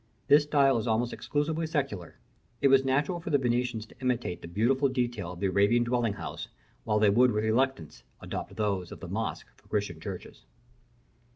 This style is almost exclusively secular. It was natural for the Venetians to imitate the beautiful details of the Arabian dwelling house, while they would with reluctance adopt those of the mosque for Christian churches.